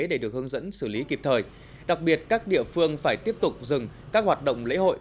để được hướng dẫn xử lý kịp thời đặc biệt các địa phương phải tiếp tục dừng các hoạt động lễ hội